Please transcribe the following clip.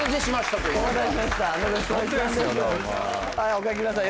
おかけください。